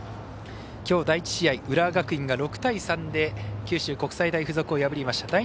きょう第１試合浦和学院が６対３で九州国際大付属を破りました。